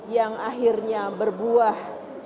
yang akhirnya berbuah